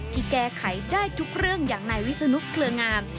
ที่แก้ไขได้ทุกเรื่องอย่างนายวิศนุเคลืองาม